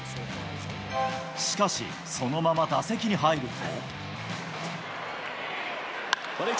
しかしそのまま打席に入ると。